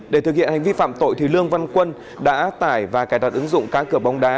để thực hiện hành vi phạm tội thì lương văn quân đã tải và cài đặt ứng dụng cá cửa bóng đá